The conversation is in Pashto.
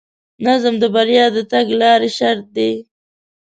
نظم د بریا د تګلارې شرط دی.